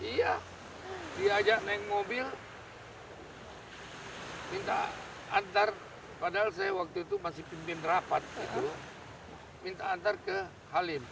iya diajak naik mobil minta antar padahal saya waktu itu masih pimpin rapat minta antar ke halim